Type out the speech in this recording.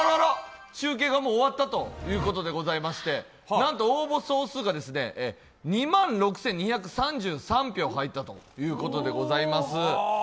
集計がもう終わったということでございまして、なんと応募総数が２万６２３３票入ったということでございます。